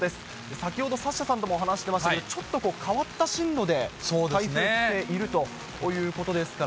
先ほどサッシャさんともお話してましたけど、ちょっと変わって進路で台風来ているということですからね。